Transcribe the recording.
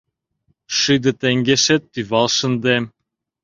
Шӱдӧ теҥгешет тӱвал шындем...